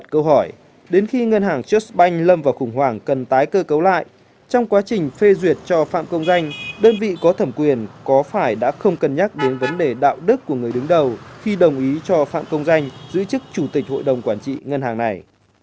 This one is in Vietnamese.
câu hỏi đến khi ngân hàng justbank lâm vào khủng hoảng cần tái cơ cấu lại trong quá trình phê duyệt cho phạm công danh đơn vị có thẩm quyền có phải đã không cân nhắc đến vấn đề đạo đức của người đứng đầu khi đồng ý cho phạm công danh giữ chức chủ tịch hội đồng quản trị ngân hàng này